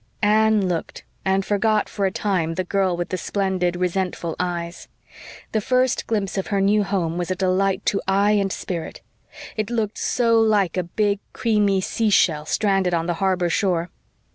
Anne looked and forgot for a time the girl with the splendid, resentful eyes. The first glimpse of her new home was a delight to eye and spirit it looked so like a big, creamy seashell stranded on the harbor shore.